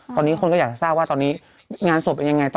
ตอนนี้คนก็อยากจะทราบว่าตอนนี้งานศพเป็นยังไงต่อ